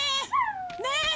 ねえ！